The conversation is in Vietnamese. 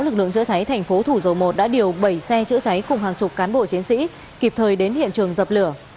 lực lượng chữa cháy thành phố thủ dầu một đã điều bảy xe chữa cháy cùng hàng chục cán bộ chiến sĩ kịp thời đến hiện trường dập lửa